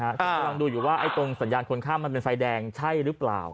กำลังดูอยู่ว่าตรงสัญญาณคนข้ามมันเป็นไฟแดงใช่หรือเปล่า